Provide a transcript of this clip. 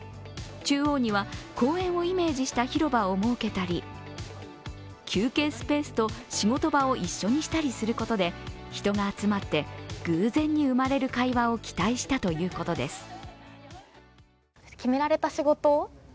中央には公園をイメージした広場を設けたり休憩スペースと仕事場を一緒にしたりすることで人が集まって偶然に生まれる会話を期待したということです。